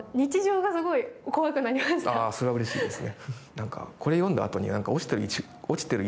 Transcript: それはうれしいですね。